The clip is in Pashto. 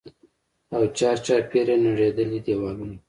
او چارچاپېره يې نړېدلي دېوالونه.